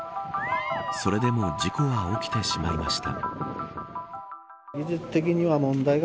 それでも事故は起きてしまいました。